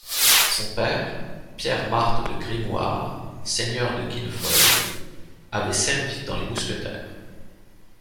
Son père, Pierre-Marthe de Grimoüard, seigneur de Guinefolle, avait servi dans les mousquetaires.